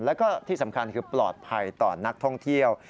แล้วก็ที่สำคัญคือปลอดภัยต่อนักท่องเที่ยว